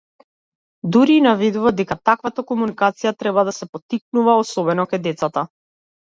Дури и наведува дека таквата комуникација треба да се поттикнува, особено кај децата.